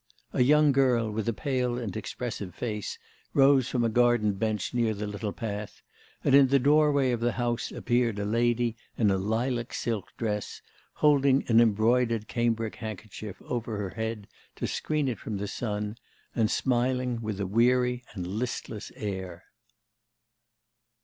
A young girl, with a pale and expressive face, rose from a garden bench near the little path, and in the doorway of the house appeared a lady in a lilac silk dress, holding an embroidered cambric handkerchief over her head to screen it from the sun, and smiling with a weary and listless air.